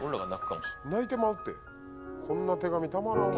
泣いてまうってこんな手紙たまらんわ。